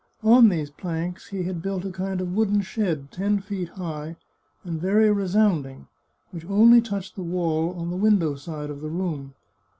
On these planks he had built a kind of wooden shed, ten feet high, and very re sounding, which only touched the wall on the window side of the room.